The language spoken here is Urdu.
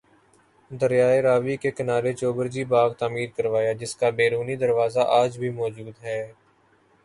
دریائے راوی کے کنارے چوبرجی باغ تعمیر کروایا جس کا بیرونی دروازہ آج بھی موجود ہے